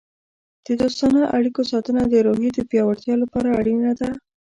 د دوستانه اړیکو ساتنه د روحیې د پیاوړتیا لپاره اړینه ده.